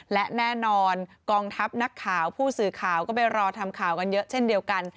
และแน่นอนกองทัพนักข่าวผู้สื่อข่าวก็ไปรอทำข่าวกันเยอะเช่นเดียวกัน